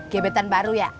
gebetan baru ya